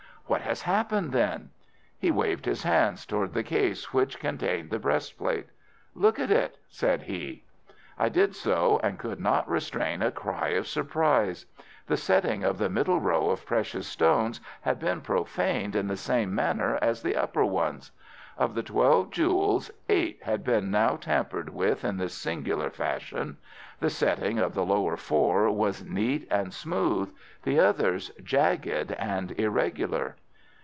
"What has happened, then?" He waved his hand towards the case which contained the breastplate. "Look at it," said he. I did so, and could not restrain a cry of surprise. The setting of the middle row of precious stones had been profaned in the same manner as the upper ones. Of the twelve jewels, eight had been now tampered with in this singular fashion. The setting of the lower four was neat and smooth. The others jagged and irregular.